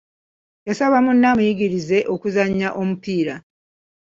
Yasaba munne amuyigirize okuzannya omupiira.